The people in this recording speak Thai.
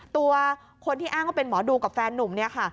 ตัวคนที่อ้างว่าเป็นหมอดูกับแฟนนุ่มเนี่ยค่ะ